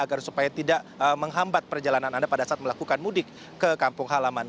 agar supaya tidak menghambat perjalanan anda pada saat melakukan mudik ke kampung halaman